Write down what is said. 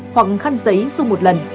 hoặc khăn giấy dung một lần